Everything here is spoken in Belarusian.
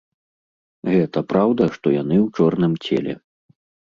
Гэта праўда, што яны ў чорным целе.